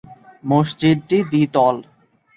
মসজিদটি দ্বিতল।